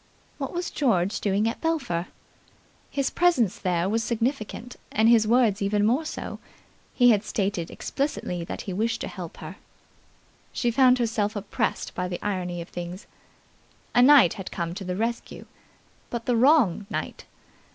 What was George doing at Belpher? His presence there was significant, and his words even more so. He had stated explicitly that he wished to help her. She found herself oppressed by the irony of things. A knight had come to the rescue but the wrong knight.